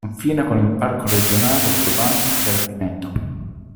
Confina con il Parco regionale urbano del Pineto.